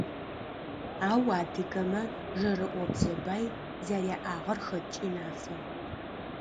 Ау адыгэмэ жэрыӏобзэ бай зэряӏагъэр хэткӏи нафэ.